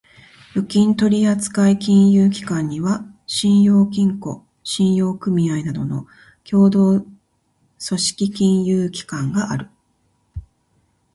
預金取扱金融機関には、信用金庫、信用組合などの協同組織金融機関がある。